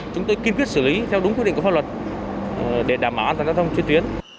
chúng tôi kiên quyết xử lý theo đúng quy định của pháp luật để đảm bảo an toàn giao thông trên tuyến